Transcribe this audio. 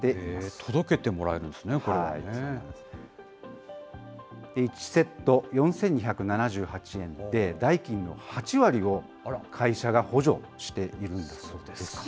届けてもらえるんですね、１セット４２７８円で、代金の８割を、会社が補助しているんだそうです。